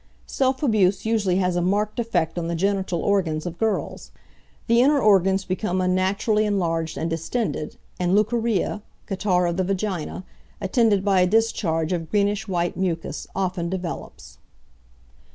Self abuse usually has a marked effect on the genital organs of girls. The inner organs become unnaturally enlarged and distended, and leucorrhea, catarrh of the vagina, attended by a discharge of greenish white mucus, often develops.